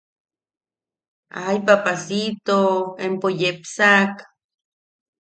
¡Ay papacito! Empo yepsak.